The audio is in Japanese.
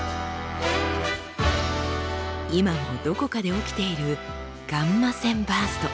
今もどこかで起きているガンマ線バースト。